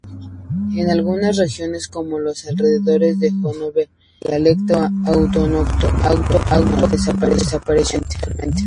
En algunas regiones, como los alrededores de Hanóver, el dialecto autóctono desapareció totalmente.